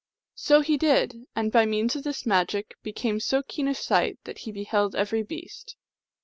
So he did ; and by means of this magic became so keen of sight that he beheld every beast.